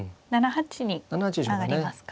７八に上がりますか。